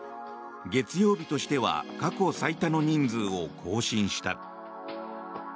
月曜日としては過去最多の人数を更新した。